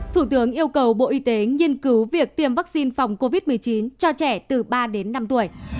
thủ tướng yêu cầu bộ y tế nghiên cứu việc tiêm vaccine phòng covid một mươi chín cho trẻ từ ba đến năm tuổi